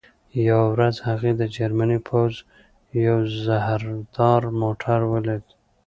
یوه ورځ هغې د جرمني پوځ یو زرهدار موټر ولید